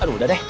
aduh udah deh